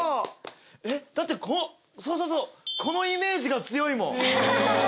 えっだってそうそうそうこのイメージが強いもんハハハ！